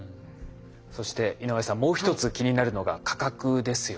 そして井上さんもう一つ気になるのが価格ですよね。